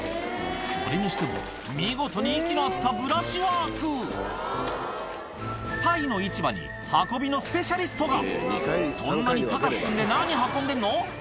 それにしても見事に息の合ったブラシワークタイの市場に運びのスペシャリストがそんなに高く積んで何運んでんの？